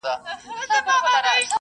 خو هر ګوره یو د بل په ځان بلا وه `